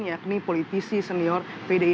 yakni politisi senior pdi